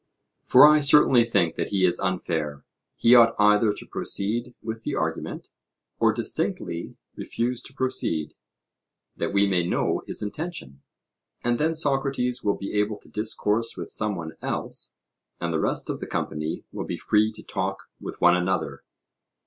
for I certainly think that he is unfair; he ought either to proceed with the argument, or distinctly refuse to proceed, that we may know his intention; and then Socrates will be able to discourse with some one else, and the rest of the company will be free to talk with one another.